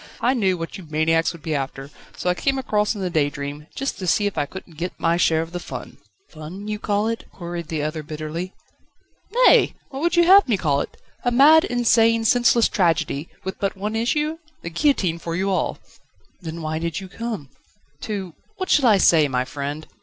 I knew what you maniacs would be after, so I came across in the _Daydream,_just to see if I couldn't get my share of the fun." "Fun, you call it?" queried the other bitterly. "Nay! what would you have me call it? A mad, insane, senseless tragedy, with but one issue? the guillotine for you all." "Then why did you come?" "To What shall I say, my friend?"